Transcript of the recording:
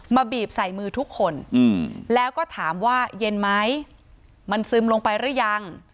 บีบใส่มือทุกคนแล้วก็ถามว่าเย็นไหมมันซึมลงไปหรือยัง